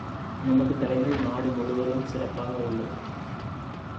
நமது கலைகள் நாடு முழுவதும் சிறப்பாக உள்ளது!